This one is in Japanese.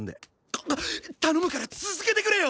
あっ頼むから続けてくれよ！